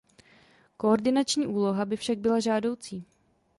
Koordinační úloha by však byla žádoucí.